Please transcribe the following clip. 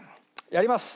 やります！